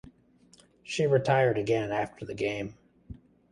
She retired again after the game.